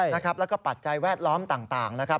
แล้วก็ปัจจัยแวดล้อมต่างนะครับ